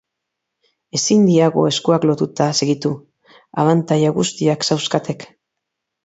Ezin diagu eskuak lotuta segitu, abantaila guztiak zauzkatek...